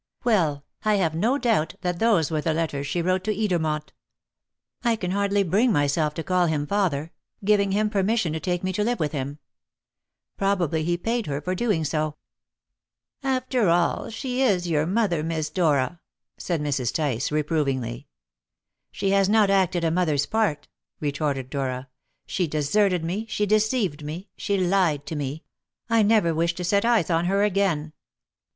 Well, I have no doubt that those were the letters she wrote to Edermont I can hardly bring myself to call him father giving him permission to take me to live with him. Probably he paid her for doing so." "After all, she is your mother, Miss Dora," said Mrs. Tice reprovingly. "She has not acted a mother's part," retorted Dora. "She deserted me, she deceived me, she lied to me; I never wish to set eyes on her again."